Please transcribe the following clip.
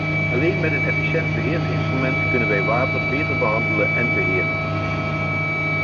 Alleen met een efficiënt beheersinstrument kunnen wij water beter behandelen en beheren.